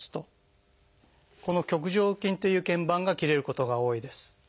この棘上筋という腱板が切れることが多いです。